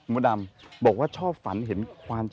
ชื่องนี้ชื่องนี้ชื่องนี้ชื่องนี้ชื่องนี้